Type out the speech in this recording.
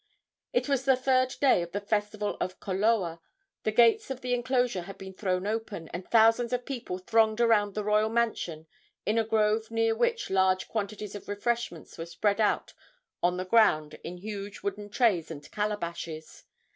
It was the third day of the festival at Koloa. The gates of the enclosure had been thrown open, and thousands of people thronged around the royal mansion in a grove near which large quantities of refreshments were spread on the ground in huge wooden trays and calabashes.